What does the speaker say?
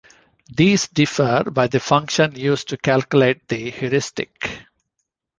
These differ by the function used to calculate the heuristic.